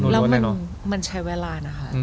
แล้วมันใช้เวลานะคะ